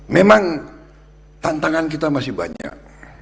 memang tantangan kita masih banyak